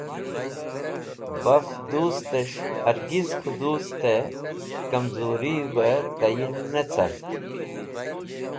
Baf Duestes̃h hargiz K̃hu Duste Kamzurive tayin ne cart